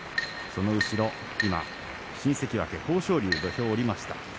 その後ろ、新関脇の豊昇龍が土俵を下りました。